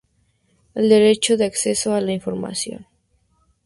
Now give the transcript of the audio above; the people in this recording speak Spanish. El "derecho de acceso a la información".